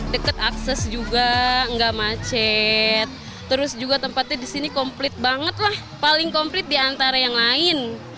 dekat akses juga nggak macet terus juga tempatnya di sini komplit banget lah paling komplit di antara yang lain